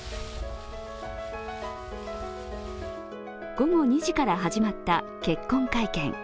午後２時から始まった結婚会見。